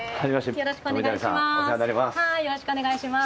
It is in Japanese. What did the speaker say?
よろしくお願いします。